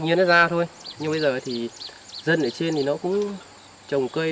nhiên nó ra thôi nhưng bây giờ thì dân ở trên thì nó cũng trồng cây